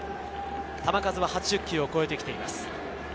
球数は８０球を超えてきています。